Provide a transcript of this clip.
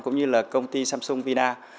cũng như là công ty samsung vina